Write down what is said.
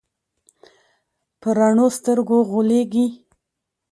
په رڼو سترګو غولېږي.